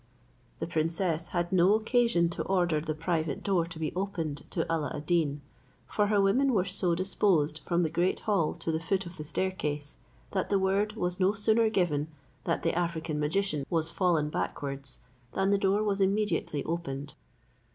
The princess had no occasion to order the private door to be opened to Alla ad Deen; for her women were so disposed from the great hall to the foot of the staircase, that the word was no sooner given that the African magician was fallen backwards, than the door was immediately opened.